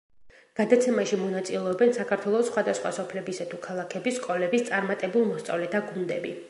გადაცემაში მონაწილეობენ საქართველოს სხვადასხვა სოფლებისა თუ ქალაქების სკოლების წარმატებულ მოსწავლეთა გუნდები.